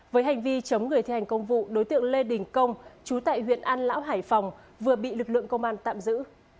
với hành vi chống người thi hành công vụ đối tượng lê đình công chú tại huyện an lão hải phòng vừa bị lực lượng công an tạm giữ